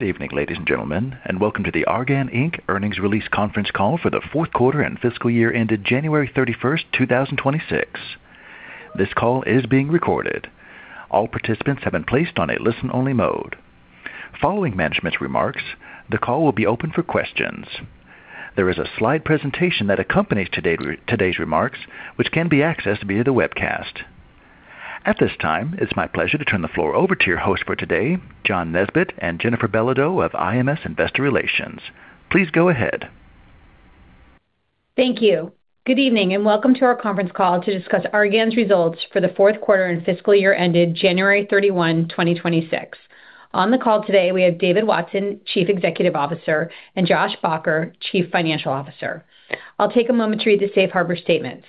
Good evening, ladies and gentlemen, and welcome to the Argan, Inc. earnings release conference call for the fourth quarter and fiscal year ended January 31, 2026. This call is being recorded. All participants have been placed on a listen-only mode. Following management's remarks, the call will be open for questions. There is a slide presentation that accompanies today's remarks, which can be accessed via the webcast. At this time, it's my pleasure to turn the floor over to your host for today, John Nesbett and Jennifer Belodeau of IMS Investor Relations. Please go ahead. Thank you. Good evening, and welcome to our conference call to discuss Argan's results for the fourth quarter and fiscal year ended January 31, 2026. On the call today, we have David Watson, Chief Executive Officer, and Josh Baugher, Chief Financial Officer. I'll take a moment to read the safe harbor statement.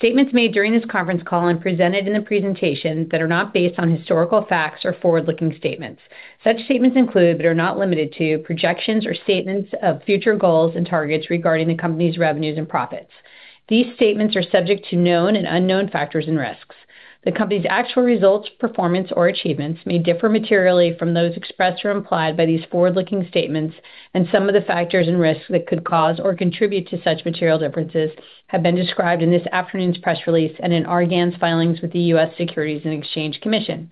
Statements made during this conference call and presented in the presentation that are not based on historical facts are forward-looking statements. Such statements include, but are not limited to, projections or statements of future goals and targets regarding the company's revenues and profits. These statements are subject to known and unknown factors and risks. The company's actual results, performance, or achievements may differ materially from those expressed or implied by these forward-looking statements and some of the factors and risks that could cause or contribute to such material differences have been described in this afternoon's press release and in Argan's filings with the U.S. Securities and Exchange Commission.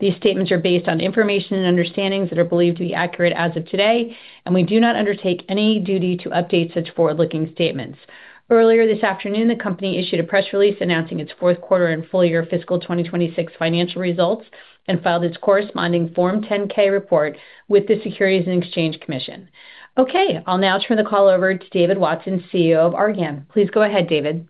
These statements are based on information and understandings that are believed to be accurate as of today, and we do not undertake any duty to update such forward-looking statements. Earlier this afternoon, the company issued a press release announcing its fourth quarter and full year fiscal 2026 financial results and filed its corresponding Form 10-K report with the Securities and Exchange Commission. Okay, I'll now turn the call over to David Watson, CEO of Argan. Please go ahead, David.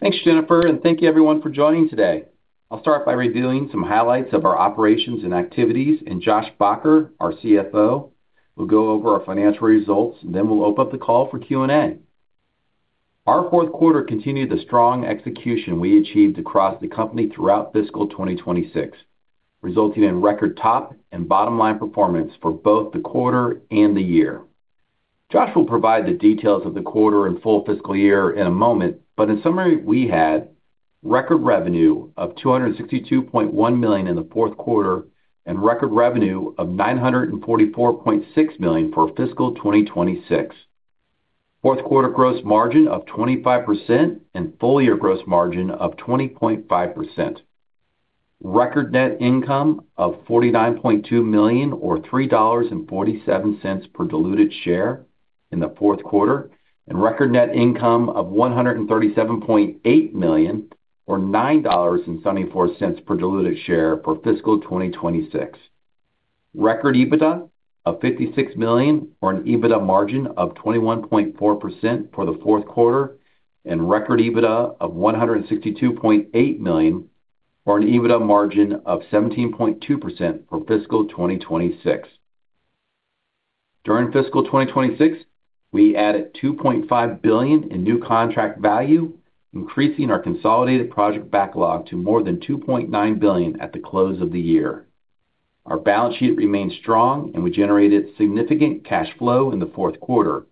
Thanks, Jennifer, and thank you everyone for joining today. I'll start by reviewing some highlights of our operations and activities, and Josh Baugher, our CFO, will go over our financial results, and then we'll open up the call for Q&A. Our fourth quarter continued the strong execution we achieved across the company throughout fiscal 2026, resulting in record top and bottom line performance for both the quarter and the year. Josh will provide the details of the quarter and full fiscal year in a moment, but in summary, we had record revenue of $262.1 million in the fourth quarter and record revenue of $944.6 million for fiscal 2026. Fourth quarter gross margin of 25% and full-year gross margin of 20.5%. Record net income of $49.2 million or $3.47 per diluted share in the fourth quarter, and record net income of $137.8 million or $9.74 per diluted share for fiscal 2026. Record EBITDA of $56 million or an EBITDA margin of 21.4% for the fourth quarter, and record EBITDA of $162.8 million or an EBITDA margin of 17.2% for fiscal 2026. During fiscal 2026, we added $2.5 billion in new contract value, increasing our consolidated project backlog to more than $2.9 billion at the close of the year. Our balance sheet remains strong, and we generated significant cash flow in the fourth quarter.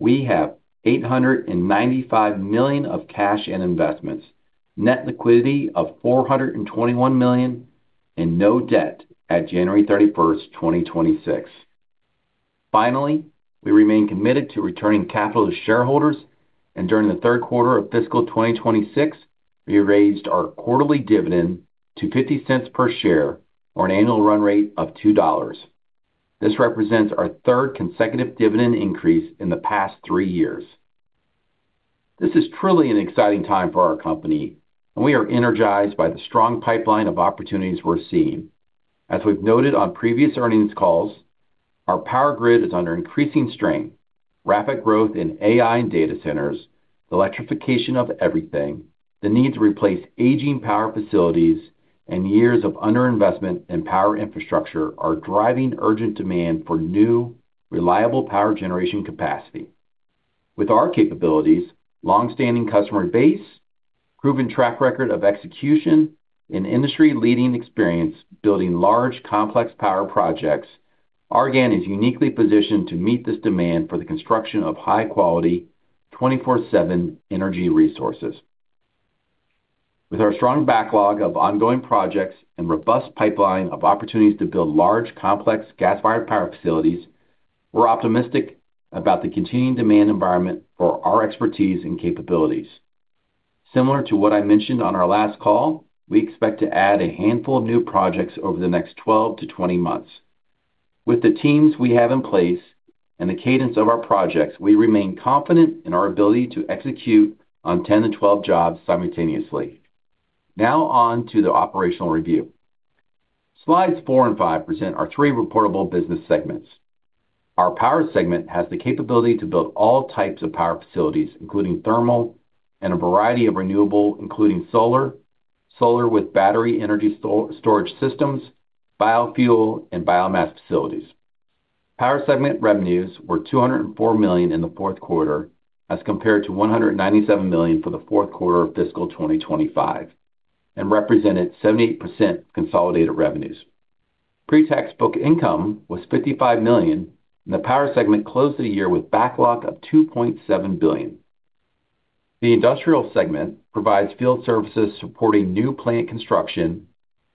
We have $895 million of cash and investments, net liquidity of $421 million and no debt at January 31, 2026. Finally, we remain committed to returning capital to shareholders, and during the third quarter of fiscal 2026, we raised our quarterly dividend to $0.50 per share or an annual run rate of $2. This represents our third consecutive dividend increase in the past three years. This is truly an exciting time for our company, and we are energized by the strong pipeline of opportunities we're seeing. As we've noted on previous earnings calls, our power grid is under increasing strain. Rapid growth in AI and data centers, electrification of everything, the need to replace aging power facilities and years of underinvestment in power infrastructure are driving urgent demand for new, reliable power generation capacity. With our capabilities, long-standing customer base, proven track record of execution and industry-leading experience building large, complex power projects, Argan is uniquely positioned to meet this demand for the construction of high-quality, 24/7 energy resources. With our strong backlog of ongoing projects and robust pipeline of opportunities to build large, complex gas-fired power facilities, we're optimistic about the continuing demand environment for our expertise and capabilities. Similar to what I mentioned on our last call, we expect to add a handful of new projects over the next 12-20 months. With the teams we have in place and the cadence of our projects, we remain confident in our ability to execute on 10-12 jobs simultaneously. Now on to the operational review. Slides four and five present our three reportable business segments. Our Power segment has the capability to build all types of power facilities, including thermal and a variety of renewable, including solar with battery energy storage systems, biofuel, and biomass facilities. Power segment revenues were $204 million in the fourth quarter as compared to $197 million for the fourth quarter of fiscal 2025 and represented 78% of consolidated revenues. Pre-tax book income was $55 million, and the Power segment closed the year with backlog of $2.7 billion. The Industrial segment provides field services supporting new plant construction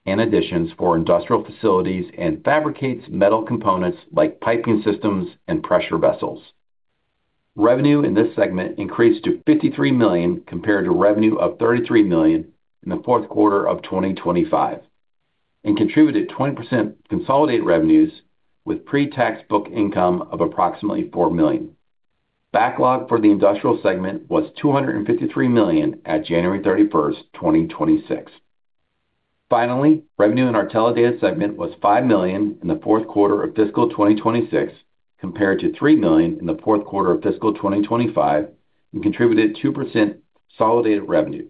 and additions for industrial facilities and fabricates metal components like piping systems and pressure vessels. Revenue in this segment increased to $53 million compared to revenue of $33 million in the fourth quarter of 2025 and contributed 20% of consolidated revenues with pre-tax book income of approximately $4 million. Backlog for the industrial segment was $253 million at January 31, 2026. Revenue in our Telecommunications Infrastructure Services segment was $5 million in the fourth quarter of fiscal 2026 compared to $3 million in the fourth quarter of fiscal 2025 and contributed 2% consolidated revenue.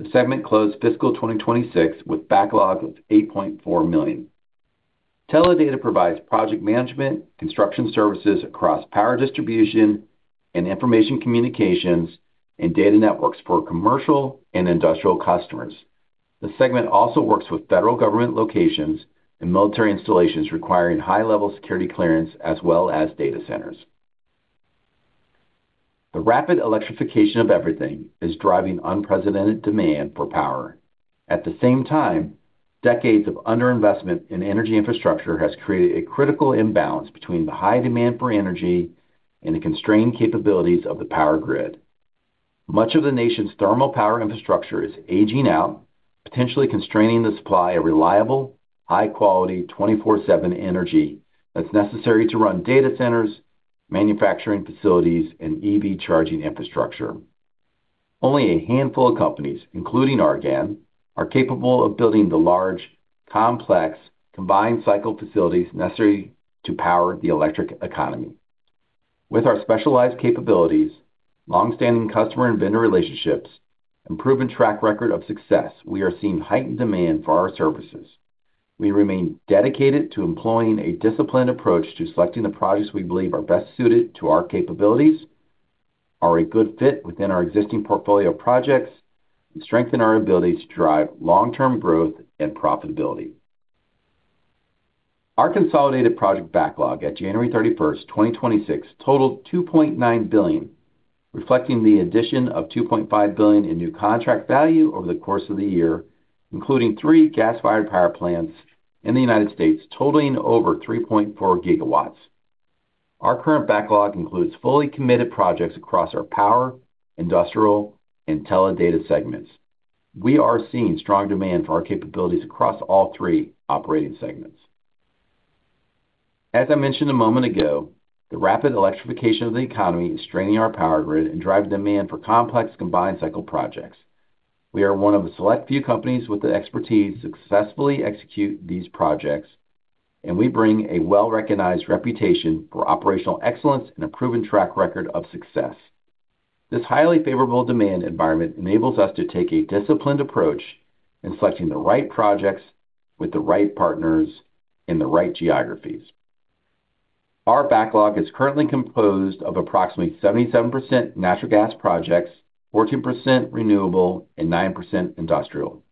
The segment closed fiscal 2026 with backlog of $8.4 million. Telecommunications Infrastructure Services provides project management, construction services across power distribution and information communications and data networks for commercial and industrial customers. The segment also works with federal government locations and military installations requiring high-level security clearance as well as data centers. The rapid electrification of everything is driving unprecedented demand for power. At the same time, decades of under-investment in energy infrastructure has created a critical imbalance between the high demand for energy and the constrained capabilities of the power grid. Much of the nation's thermal power infrastructure is aging out, potentially constraining the supply of reliable, high-quality, 24/7 energy that's necessary to run data centers, manufacturing facilities, and EV charging infrastructure. Only a handful of companies, including Argan, are capable of building the large, complex, combined cycle facilities necessary to power the electric economy. With our specialized capabilities, long-standing customer and vendor relationships, and proven track record of success, we are seeing heightened demand for our services. We remain dedicated to employing a disciplined approach to selecting the projects we believe are best suited to our capabilities, are a good fit within our existing portfolio of projects, and strengthen our ability to drive long-term growth and profitability. Our consolidated project backlog at January 31, 2026 totaled $2.9 billion, reflecting the addition of $2.5 billion in new contract value over the course of the year, including 3 gas-fired power plants in the U.S. totaling over 3.4 GW. Our current backlog includes fully committed projects across our power, industrial, and telecom segments. We are seeing strong demand for our capabilities across all three operating segments. As I mentioned a moment ago, the rapid electrification of the economy is straining our power grid and driving demand for complex combined cycle projects. We are one of a select few companies with the expertise to successfully execute these projects, and we bring a well-recognized reputation for operational excellence and a proven track record of success. This highly favorable demand environment enables us to take a disciplined approach in selecting the right projects with the right partners in the right geographies. Our backlog is currently composed of approximately 77% natural gas projects, 14% renewable, and 9% industrial.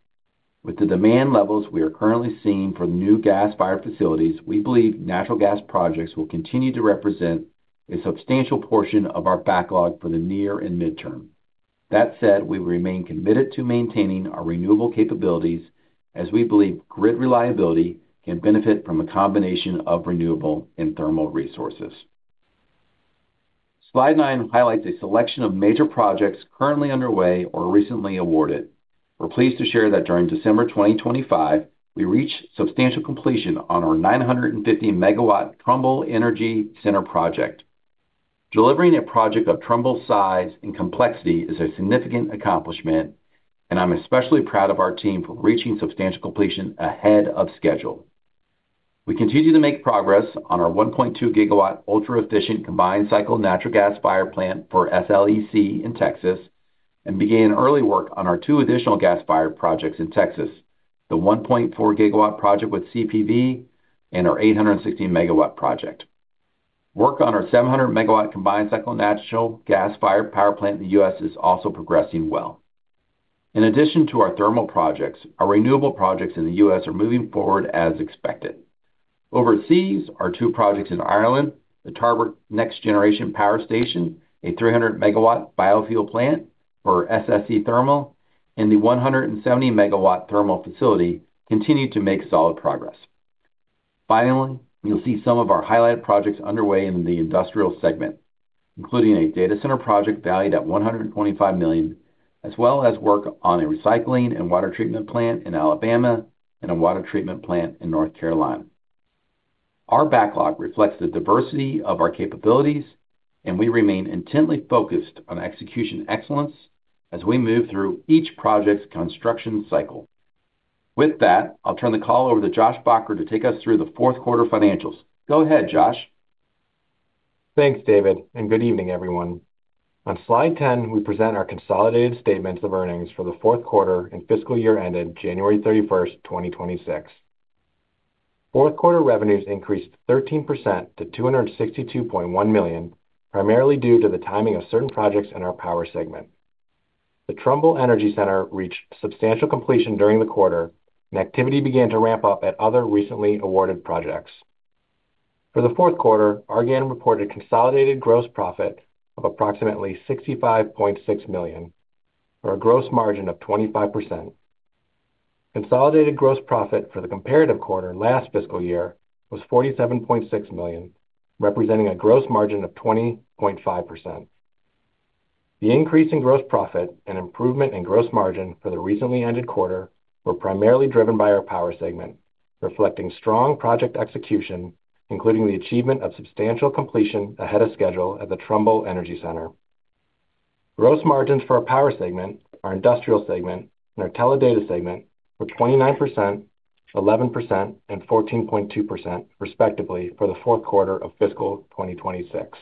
With the demand levels we are currently seeing for new gas-fired facilities, we believe natural gas projects will continue to represent a substantial portion of our backlog for the near and midterm. That said, we remain committed to maintaining our renewable capabilities as we believe grid reliability can benefit from a combination of renewable and thermal resources. Slide nine highlights a selection of major projects currently underway or recently awarded. We're pleased to share that during December 2025, we reached substantial completion on our 950 MW Trumbull Energy Center project. Delivering a project of Trumbull's size and complexity is a significant accomplishment, and I'm especially proud of our team for reaching substantial completion ahead of schedule. We continue to make progress on our 1.2 GW ultra-efficient combined cycle natural gas-fired plant for SLEC in Texas and began early work on our two additional gas-fired projects in Texas, the 1.4 GW project with CPV and our 860-MW project. Work on our 700 MW combined cycle natural gas-fired power plant in the U.S. is also progressing well. In addition to our thermal projects, our renewable projects in the U.S. are moving forward as expected. Overseas, our two projects in Ireland, the Tarbert Next Generation Power Station, a 300 MW biofuel plant for SSE Thermal, and the 170 MW thermal facility, continue to make solid progress. Finally, you'll see some of our highlighted projects underway in the industrial segment, including a data center project valued at $125 million, as well as work on a recycling and water treatment plant in Alabama and a water treatment plant in North Carolina. Our backlog reflects the diversity of our capabilities, and we remain intently focused on execution excellence as we move through each project's construction cycle. With that, I'll turn the call over to Josh Baugher to take us through the fourth quarter financials. Go ahead, Josh. Thanks, David, and good evening, everyone. On slide 10, we present our consolidated statements of earnings for the fourth quarter and fiscal year ended January 31, 2026. Fourth quarter revenues increased 13% to $262.1 million, primarily due to the timing of certain projects in our power segment. The Trumbull Energy Center reached substantial completion during the quarter and activity began to ramp up at other recently awarded projects. For the fourth quarter, Argan reported consolidated gross profit of approximately $65.6 million, or a gross margin of 25%. Consolidated gross profit for the comparative quarter last fiscal year was $47.6 million, representing a gross margin of 20.5%. The increase in gross profit and improvement in gross margin for the recently ended quarter were primarily driven by our Power segment, reflecting strong project execution, including the achievement of substantial completion ahead of schedule at the Trumbull Energy Center. Gross margins for our Power segment, our Industrial segment, and our teledata segment were 29%, 11%, and 14.2%, respectively, for the fourth quarter of fiscal 2026.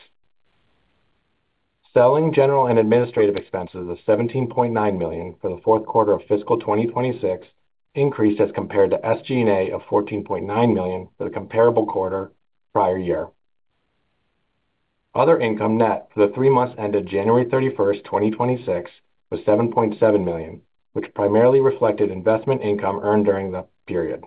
Selling general and administrative expenses of $17.9 million for the fourth quarter of fiscal 2026 increased as compared to SG&A of $14.9 million for the comparable quarter prior year. Other income net for the three months ended January 31, 2026 was $7.7 million, which primarily reflected investment income earned during the period.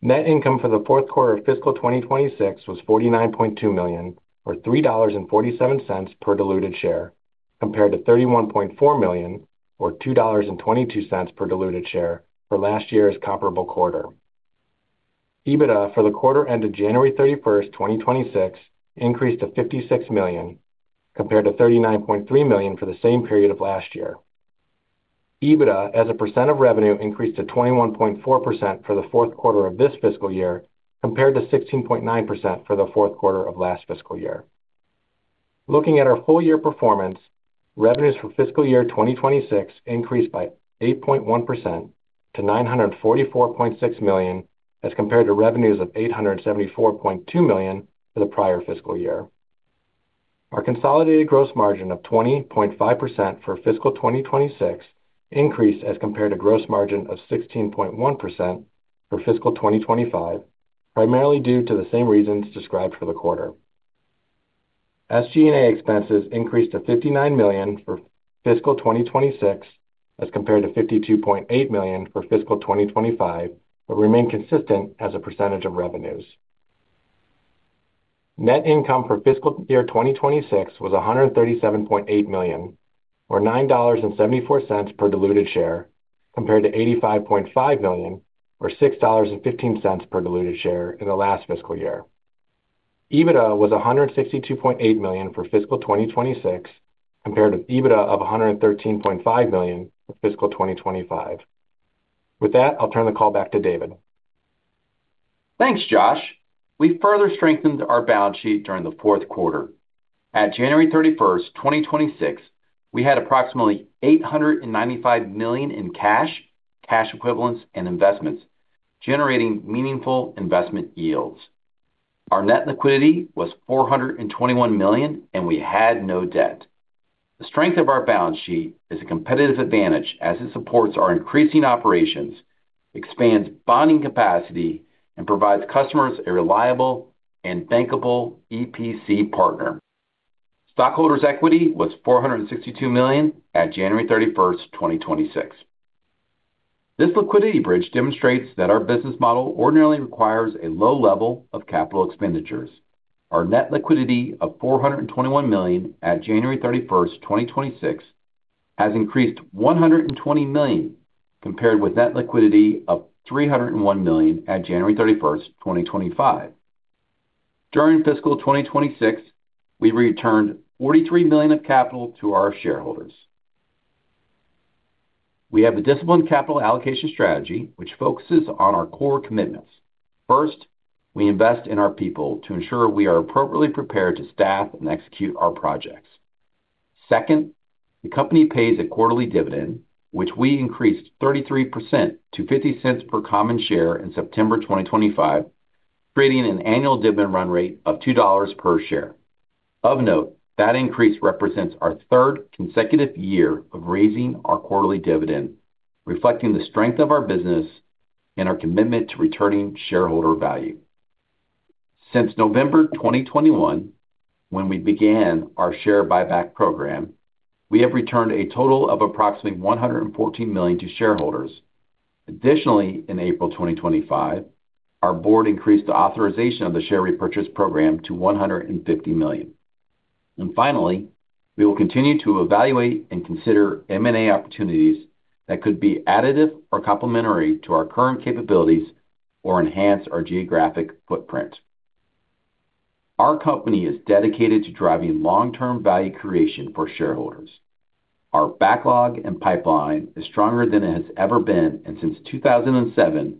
Net income for the fourth quarter of fiscal 2026 was $49.2 million, or $3.47 per diluted share, compared to $31.4 million, or $2.22 per diluted share for last year's comparable quarter. EBITDA for the quarter ended January 31, 2026 increased to $56 million, compared to $39.3 million for the same period of last year. EBITDA as a percent of revenue increased to 21.4% for the fourth quarter of this fiscal year, compared to 16.9% for the fourth quarter of last fiscal year. Looking at our full year performance, revenues for fiscal year 2026 increased by 8.1% to $944.6 million, as compared to revenues of $874.2 million for the prior fiscal year. Our consolidated gross margin of 20.5% for fiscal 2026 increased as compared to gross margin of 16.1% for fiscal 2025, primarily due to the same reasons described for the quarter. SG&A expenses increased to $59 million for fiscal 2026, as compared to $52.8 million for fiscal 2025, but remain consistent as a percentage of revenues. Net income for fiscal year 2026 was $137.8 million, or $9.74 per diluted share, compared to $85.5 million, or $6.15 per diluted share in the last fiscal year. EBITDA was $162.8 million for fiscal 2026, compared with EBITDA of $113.5 million for fiscal 2025. With that, I'll turn the call back to David. Thanks, Josh. We further strengthened our balance sheet during the fourth quarter. At January 31, 2026, we had approximately $895 million in cash equivalents, and investments, generating meaningful investment yields. Our net liquidity was $421 million, and we had no debt. The strength of our balance sheet is a competitive advantage as it supports our increasing operations, expands bonding capacity, and provides customers a reliable and bankable EPC partner. Stockholders' equity was $462 million at January 31, 2026. This liquidity bridge demonstrates that our business model ordinarily requires a low level of capital expenditures. Our net liquidity of $421 million at January 31, 2026, has increased $120 million compared with net liquidity of $301 million at January 31, 2025. During fiscal 2026, we returned $43 million of capital to our shareholders. We have a disciplined capital allocation strategy, which focuses on our core commitments. First, we invest in our people to ensure we are appropriately prepared to staff and execute our projects. Second, the company pays a quarterly dividend, which we increased 33% to $0.50 per common share in September 2025, creating an annual dividend run rate of $2 per share. Of note, that increase represents our third consecutive year of raising our quarterly dividend, reflecting the strength of our business and our commitment to returning shareholder value. Since November 2021, when we began our share buyback program, we have returned a total of approximately $114 million to shareholders. Additionally, in April 2025, our board increased the authorization of the share repurchase program to $150 million. Finally, we will continue to evaluate and consider M&A opportunities that could be additive or complementary to our current capabilities or enhance our geographic footprint. Our company is dedicated to driving long-term value creation for shareholders. Our backlog and pipeline is stronger than it has ever been, and since 2007,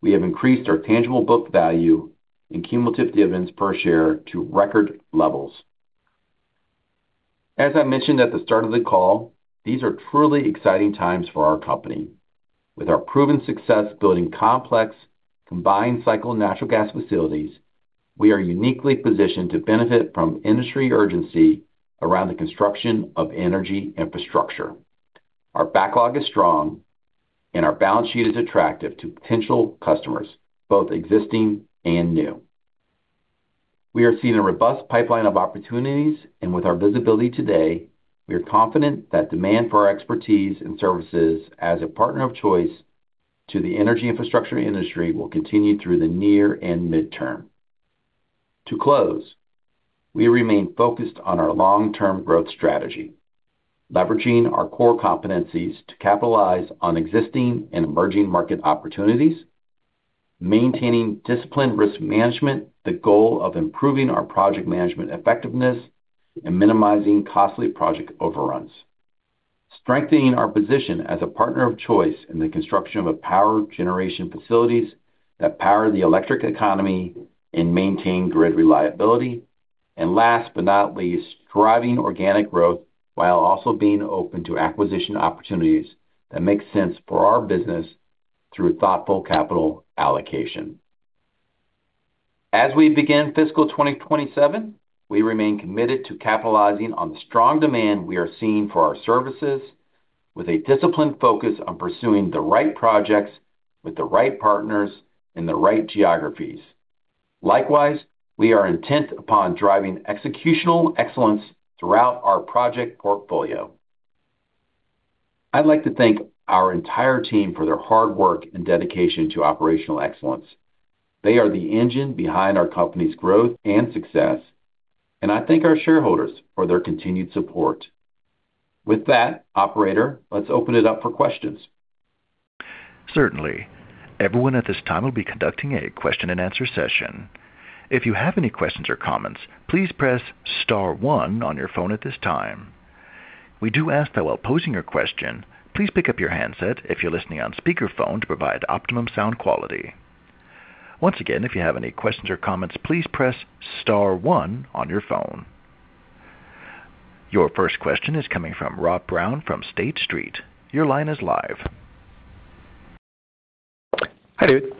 we have increased our tangible book value in cumulative dividends per share to record levels. As I mentioned at the start of the call, these are truly exciting times for our company. With our proven success building complex, combined cycle natural gas facilities, we are uniquely positioned to benefit from industry urgency around the construction of energy infrastructure. Our backlog is strong and our balance sheet is attractive to potential customers, both existing and new. We are seeing a robust pipeline of opportunities, and with our visibility today, we are confident that demand for our expertise and services as a partner of choice to the energy infrastructure industry will continue through the near and mid-term. To close, we remain focused on our long-term growth strategy, leveraging our core competencies to capitalize on existing and emerging market opportunities, maintaining disciplined risk management, the goal of improving our project management effectiveness, and minimizing costly project overruns, strengthening our position as a partner of choice in the construction of power generation facilities that power the electric economy and maintain grid reliability. Last but not least, driving organic growth while also being open to acquisition opportunities that make sense for our business through thoughtful capital allocation. As we begin fiscal 2027, we remain committed to capitalizing on the strong demand we are seeing for our services with a disciplined focus on pursuing the right projects with the right partners in the right geographies. Likewise, we are intent upon driving executional excellence throughout our project portfolio. I'd like to thank our entire team for their hard work and dedication to operational excellence. They are the engine behind our company's growth and success, and I thank our shareholders for their continued support. With that, operator, let's open it up for questions. Certainly. Everyone at this time will be conducting a question-and-answer session. If you have any questions or comments, please press star one on your phone at this time. We do ask that while posing your question, please pick up your handset if you're listening on speakerphone to provide optimum sound quality. Once again, if you have any questions or comments, please press star one on your phone. Your first question is coming from Rob Brown from Lake Street. Your line is live. Hi, dude.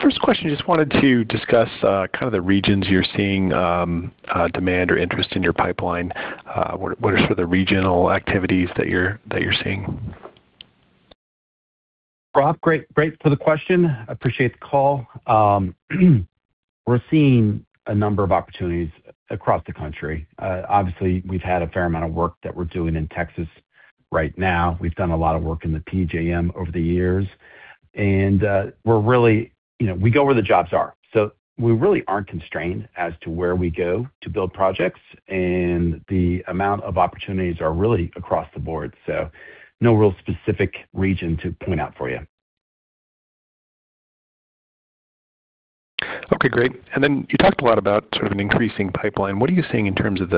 First question, just wanted to discuss kind of the regions you're seeing demand or interest in your pipeline. What are some of the regional activities that you're seeing? Rob, great question. Appreciate the call. We're seeing a number of opportunities across the country. Obviously, we've had a fair amount of work that we're doing in Texas right now. We've done a lot of work in the PJM over the years. You know, we go where the jobs are, so we really aren't constrained as to where we go to build projects. The amount of opportunities are really across the board, so no real specific region to point out for you. Okay, great. You talked a lot about sort of an increasing pipeline. What are you seeing in terms of,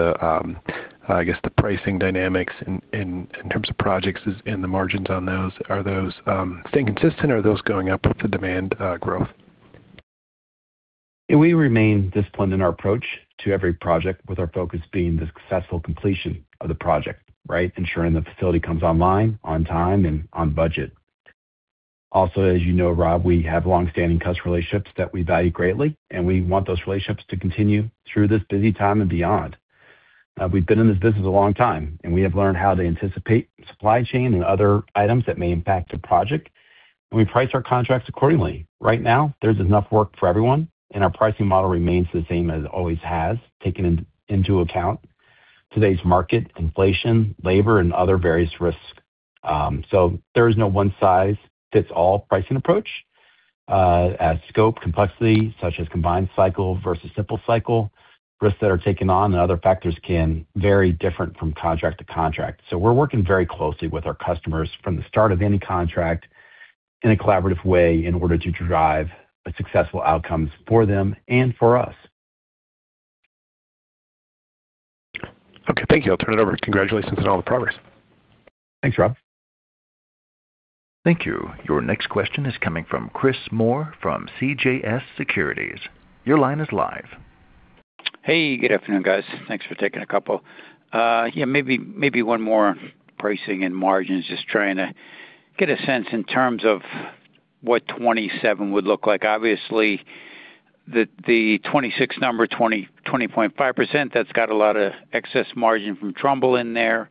I guess, the pricing dynamics in terms of projects and the margins on those? Are those staying consistent, or are those going up with the demand growth? We remain disciplined in our approach to every project, with our focus being the successful completion of the project, right? Ensuring the facility comes online on time and on budget. Also, as you know, Rob, we have long-standing customer relationships that we value greatly, and we want those relationships to continue through this busy time and beyond. We've been in this business a long time, and we have learned how to anticipate supply chain and other items that may impact a project, and we price our contracts accordingly. Right now, there's enough work for everyone, and our pricing model remains the same as it always has, taking into account today's market inflation, labor, and other various risks. There is no one-size-fits-all pricing approach, as scope complexity, such as combined cycle versus simple cycle, risks that are taken on and other factors can vary different from contract to contract. We're working very closely with our customers from the start of any contract in a collaborative way in order to drive successful outcomes for them and for us. Okay, thank you. I'll turn it over. Congratulations on all the progress. Thanks, Rob. Thank you. Your next question is coming from Chris Moore from CJS Securities. Your line is live. Hey, good afternoon, guys. Thanks for taking a couple. Yeah, maybe one more pricing and margins. Just trying to get a sense in terms of what 2027 would look like. Obviously, the 2026 number, 20.5%, that's got a lot of excess margin from Trumbull in there.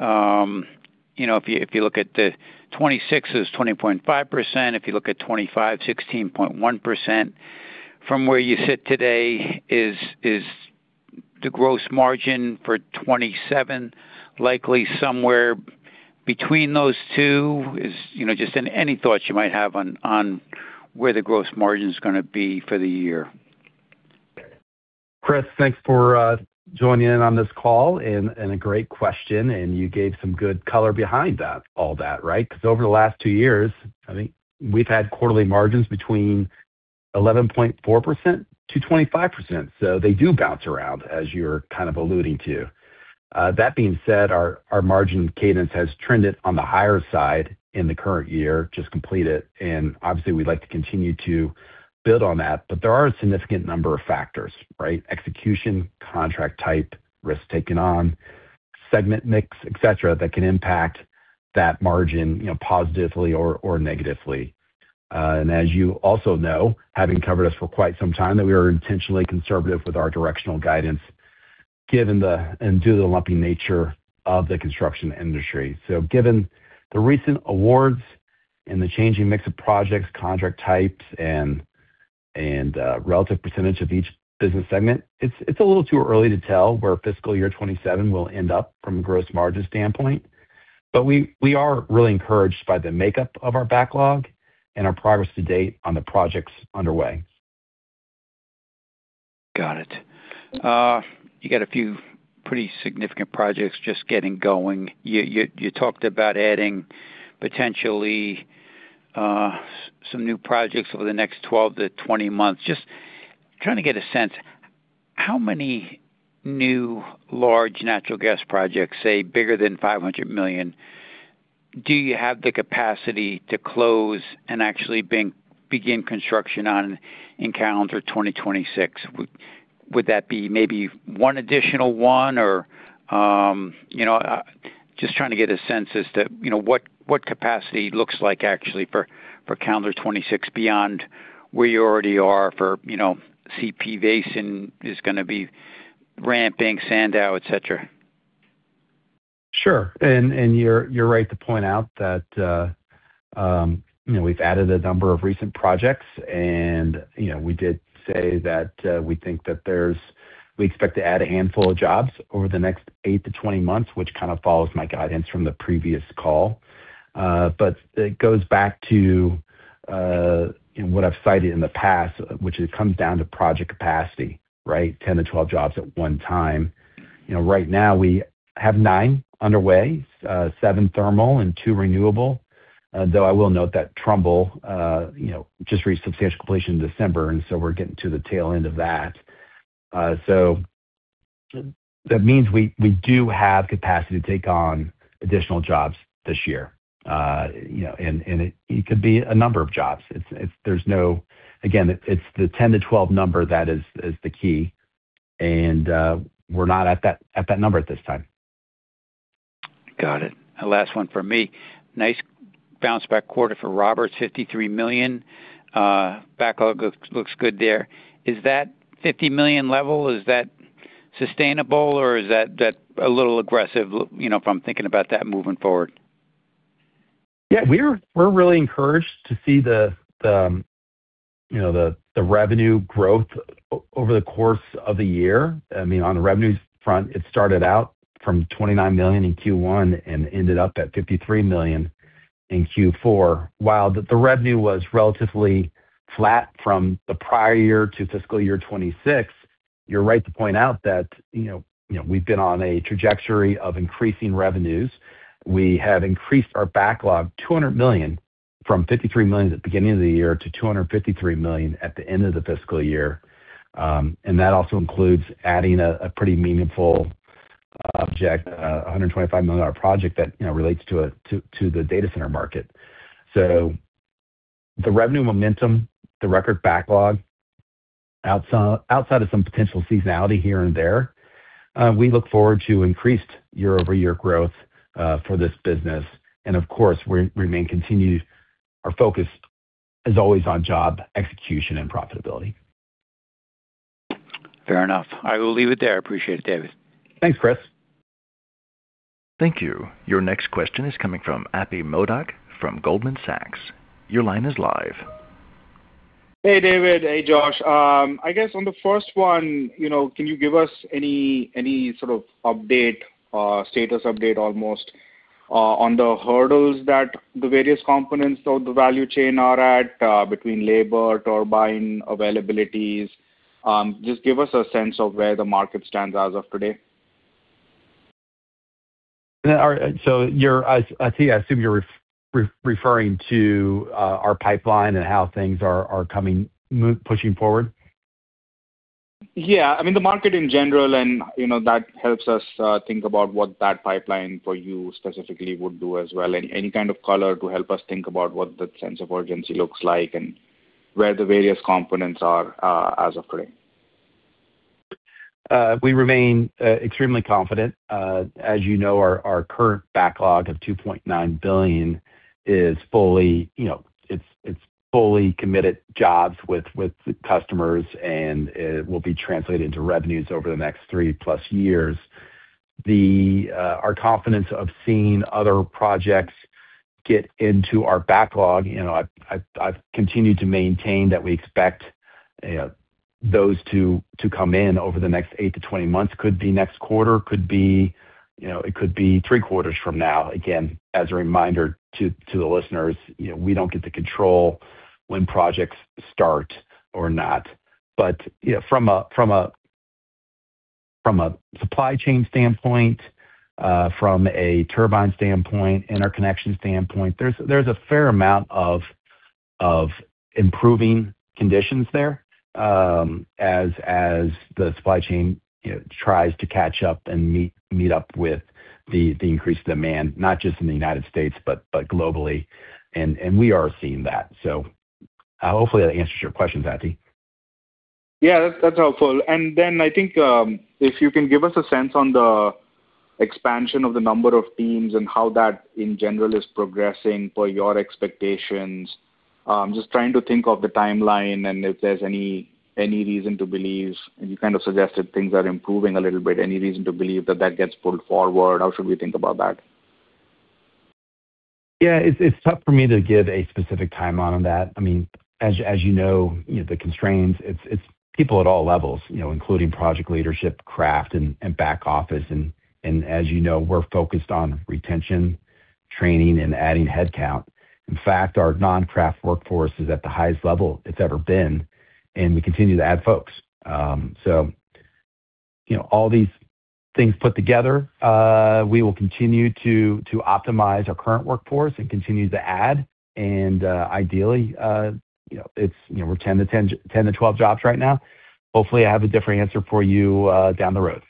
You know, if you look at the 2026 is 20.5%. If you look at 2025, 16.1%. From where you sit today, is the gross margin for 2027 likely somewhere between those two? You know, just any thoughts you might have on where the gross margin is gonna be for the year. Chris, thanks for joining in on this call and a great question, and you gave some good color behind that, all that, right? Because over the last two years, I think we've had quarterly margins between 11.4%-25%. They do bounce around, as you're kind of alluding to. That being said, our margin cadence has trended on the higher side in the current year, just completed, and obviously we'd like to continue to build on that. There are a significant number of factors, right? Execution, contract type, risk taken on, segment mix, et cetera, that can impact that margin, you know, positively or negatively. As you also know, having covered us for quite some time, that we are intentionally conservative with our directional guidance given the lumpy nature of the construction industry. Given the recent awards and the changing mix of projects, contract types and relative percentage of each business segment, it's a little too early to tell where fiscal year 2027 will end up from a gross margin standpoint. We are really encouraged by the makeup of our backlog and our progress to date on the projects underway. Got it. You got a few pretty significant projects just getting going. You talked about adding potentially some new projects over the next 12-20 months. Just trying to get a sense, how many new large natural gas projects, say, bigger than $500 million, do you have the capacity to close and actually begin construction on in calendar 2026? Would that be maybe one additional one or you know just trying to get a sense as to you know what capacity looks like actually for calendar 2026 beyond where you already are for you know CPV and one is gonna be ramping Sandow, etc. Sure. You're right to point out that, you know, we've added a number of recent projects and, you know, we did say that. We expect to add a handful of jobs over the next eight-20 months, which kind of follows my guidance from the previous call. It goes back to what I've cited in the past, which it comes down to project capacity, right? 10-12 jobs at one time. You know, right now we have nine underway, seven thermal and two renewable. Though I will note that Trumbull, you know, just reached substantial completion in December, and we're getting to the tail end of that. That means we do have capacity to take on additional jobs this year. You know, it could be a number of jobs. It's the 10-12 number that is the key, and we're not at that number at this time. Got it. Last one for me. Nice bounce back quarter for Roberts, $53 million. Backlog looks good there. Is that $50 million level, is that sustainable or is that a little aggressive? You know, if I'm thinking about that moving forward. Yeah. We're really encouraged to see the you know the revenue growth over the course of the year. I mean, on the revenues front, it started out from $29 million in Q1 and ended up at $53 million in Q4. While the revenue was relatively flat from the prior year to fiscal year 2026, you're right to point out that you know we've been on a trajectory of increasing revenues. We have increased our backlog $200 million from $53 million at the beginning of the year to $253 million at the end of the fiscal year. And that also includes adding a pretty meaningful project, a $125 million project that you know relates to the data center market. The revenue momentum, the record backlog, outside of some potential seasonality here and there, we look forward to increased year-over-year growth for this business and of course remain committed. Our focus is always on job execution and profitability. Fair enough. I will leave it there. Appreciate it, David. Thanks, Chris. Thank you. Your next question is coming from Ati Modak from Goldman Sachs. Your line is live. Hey, David. Hey, Josh. I guess on the first one, you know, can you give us any sort of update or status update almost on the hurdles that the various components of the value chain are at between labor, turbine availabilities? Just give us a sense of where the market stands as of today. All right. I see. I assume you're referring to our pipeline and how things are pushing forward. Yeah. I mean, the market in general and, you know, that helps us think about what that pipeline for you specifically would do as well. Any kind of color to help us think about what the sense of urgency looks like and where the various components are, as of today. We remain extremely confident. As you know, our current backlog of $2.9 billion is fully committed jobs with the customers, and it will be translated into revenues over the next 3+ years. Our confidence of seeing other projects get into our backlog, you know, I've continued to maintain that we expect those to come in over the next eight-20 months. Could be next quarter, could be, you know, it could be three quarters from now. Again, as a reminder to the listeners, you know, we don't get to control when projects start or not. you know, from a supply chain standpoint, from a turbine standpoint, interconnection standpoint, there's a fair amount of improving conditions there, as the supply chain, you know, tries to catch up and meet up with the increased demand, not just in the United States, but globally. We are seeing that. Hopefully that answers your question, Ati. Yeah, that's helpful. I think if you can give us a sense on the expansion of the number of teams and how that in general is progressing per your expectations. Just trying to think of the timeline and if there's any reason to believe, and you kind of suggested things are improving a little bit. Any reason to believe that gets pulled forward? How should we think about that? Yeah. It's tough for me to give a specific timeline on that. I mean, as you know, the constraints, it's people at all levels, you know, including project leadership, craft and back office. As you know, we're focused on retention, training, and adding headcount. In fact, our non-craft workforce is at the highest level it's ever been, and we continue to add folks. All these things put together, we will continue to optimize our current workforce and continue to add and, ideally, you know, we're 10-12 jobs right now. Hopefully, I have a different answer for you down the road.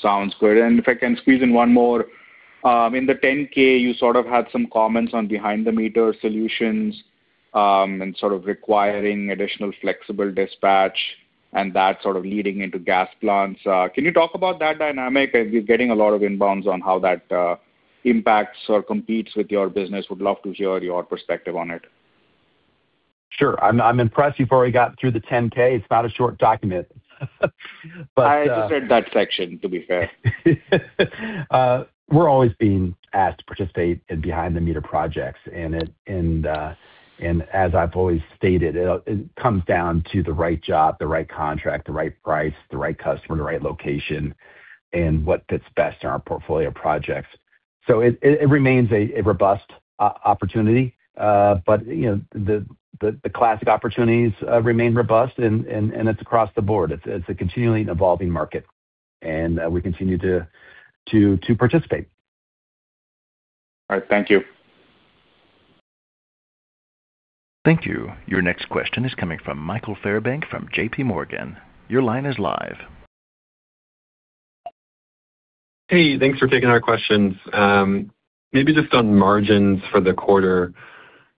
Sounds good. If I can squeeze in one more. In the 10-K, you sort of had some comments on behind-the-meter solutions, and sort of requiring additional flexible dispatch and that sort of leading into gas plants. Can you talk about that dynamic as you're getting a lot of inbounds on how that impacts or competes with your business? Would love to hear your perspective on it. Sure. I'm impressed you've already gotten through the 10-K. It's not a short document. I just read that section, to be fair. We're always being asked to participate in behind-the-meter projects. As I've always stated, it comes down to the right job, the right contract, the right price, the right customer, the right location, and what fits best in our portfolio of projects. It remains a robust opportunity. You know, the classic opportunities remain robust and it's across the board. It's a continually evolving market, and we continue to participate. All right. Thank you. Thank you. Your next question is coming from Michael Fairbanks from JP Morgan. Your line is live. Hey, thanks for taking our questions. Maybe just on margins for the quarter.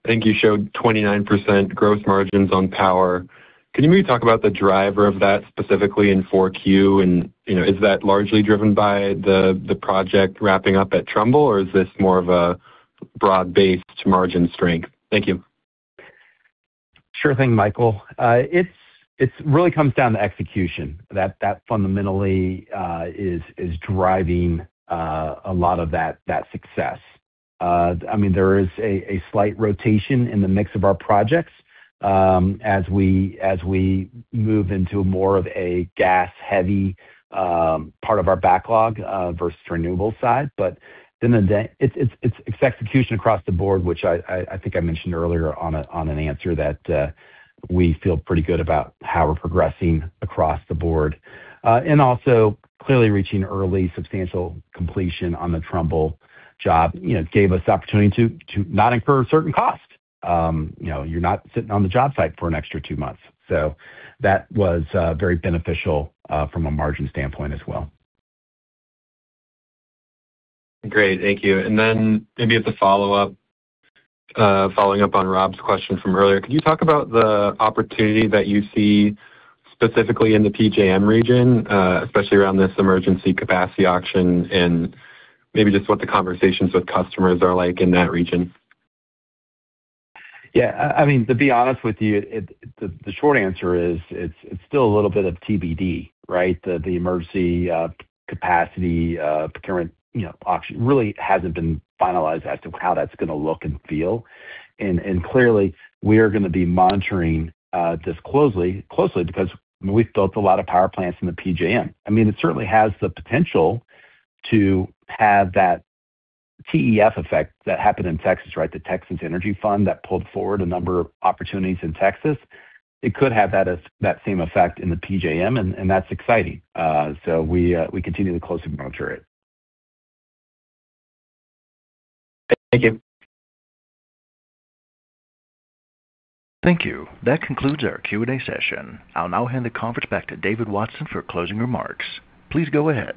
I think you showed 29% growth margins on power. Can you maybe talk about the driver of that specifically in Q4? You know, is that largely driven by the project wrapping up at Trumbull, or is this more of a broad-based margin strength? Thank you. Sure thing, Michael. It's really comes down to execution that fundamentally is driving a lot of that success. I mean, there is a slight rotation in the mix of our projects, as we move into more of a gas-heavy part of our backlog, versus renewable side. At the end of the day, it's execution across the board, which I think I mentioned earlier on an answer that we feel pretty good about how we're progressing across the board, and also clearly reaching early substantial completion on the Trumbull job, you know, gave us the opportunity to not incur certain costs. You know, you're not sitting on the job site for an extra two months. That was very beneficial from a margin standpoint as well. Great. Thank you. Maybe as a follow-up, following up on Rob's question from earlier. Could you talk about the opportunity that you see specifically in the PJM region, especially around this emergency capacity auction and maybe just what the conversations with customers are like in that region? Yeah. I mean, to be honest with you, the short answer is it's still a little bit of TBD, right? The emergency capacity procurement, you know, auction really hasn't been finalized as to how that's gonna look and feel. Clearly, we are gonna be monitoring this closely because we've built a lot of power plants in the PJM. I mean, it certainly has the potential to have that TEF effect that happened in Texas, right? The Texas Energy Fund that pulled forward a number of opportunities in Texas. It could have that same effect in the PJM, and that's exciting. We continue to closely monitor it. Thank you. Thank you. That concludes our Q&A session. I'll now hand the conference back to David Watson for closing remarks. Please go ahead.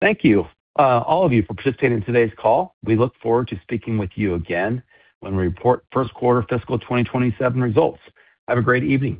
Thank you, all of you, for participating in today's call. We look forward to speaking with you again when we report first quarter fiscal 2027 results. Have a great evening.